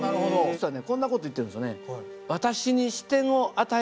実はねこんな事言ってるんですよね。